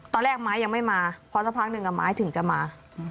ตอนแรกมายยังไม่มาเพราะสักพักหนึ่งมายถึงจะมา